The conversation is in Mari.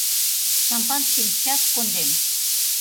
Шампанскийым счас кондем.